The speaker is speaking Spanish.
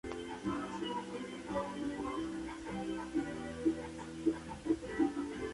Debido a las críticas positivas ahora trabaja en otras producciones para televisión.